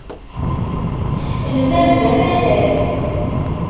Lmal d amalal.